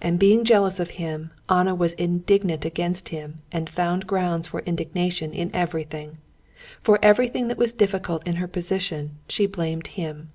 And being jealous of him, Anna was indignant against him and found grounds for indignation in everything. For everything that was difficult in her position she blamed him.